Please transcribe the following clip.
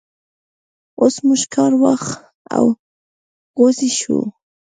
اوس موږ کار واښ او غوزی شو.